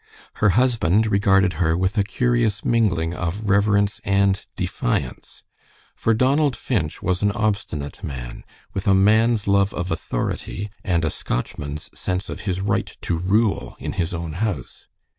Her husband regarded her with a curious mingling of reverence and defiance, for Donald Finch was an obstinate man, with a man's love of authority, and a Scotchman's sense of his right to rule in his own house.